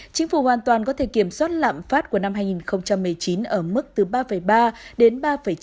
chính phủ hoàn toàn có thể kiểm soát lạm phát của năm hai nghìn một mươi chín ở mức từ ba ba đến ba chín